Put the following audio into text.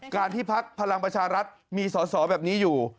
ที่พักพลังประชารัฐมีสอสอแบบนี้อยู่